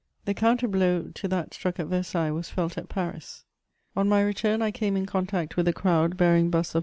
The couifter blow to that struck at Versailles was felt at Paris. On my ^tarn I came in contaqjb with a crowd bearing busts of M.